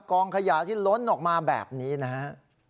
กองขยะที่ล้นออกมาแบบนี้นะฮะ